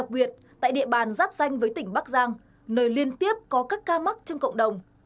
ban giáp danh với tỉnh bắc giang nơi liên tiếp có các ca mắc trong cộng đồng